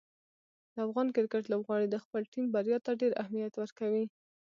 د افغان کرکټ لوبغاړي د خپلې ټیم بریا ته ډېر اهمیت ورکوي.